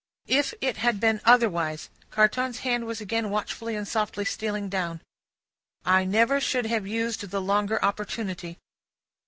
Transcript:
"'If it had been otherwise;'" Carton's hand was again watchfully and softly stealing down; "'I never should have used the longer opportunity.